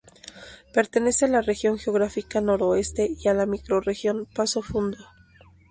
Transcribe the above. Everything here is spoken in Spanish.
Pertenece a la región geográfica Noroeste y a la "Micro-región Passo Fundo".